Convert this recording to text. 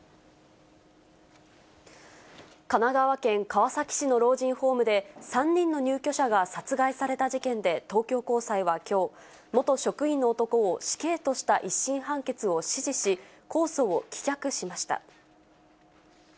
神奈川県川崎市の老人ホームで、３人の入居者が殺害された事件で、東京高裁はきょう、元職員の男を死刑とした１審判決を支持し、控訴を棄却しました。